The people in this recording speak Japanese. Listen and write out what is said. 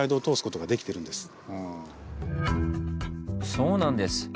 そうなんです！